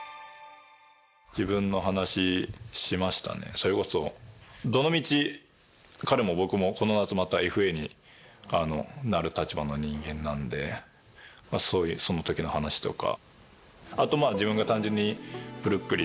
それこそどのみち彼も僕もこの夏またＦＡになる立場の人間なのでそういうその時の話とか。